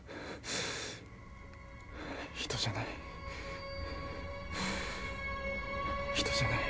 人じゃない人じゃない。